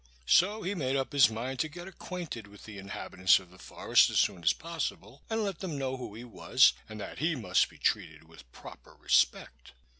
So he made up his mind to get acquainted with the inhabitants of the forest as soon as possible, and let them know who he was, and that he must be treated with proper respect.